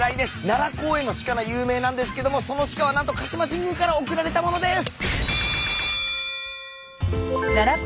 奈良公園の鹿が有名なんですけどもその鹿は何と鹿島神宮から送られたものです。